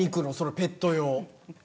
ペット用。